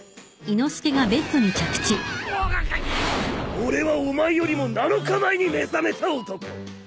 俺はお前よりも７日前に目覚めた男！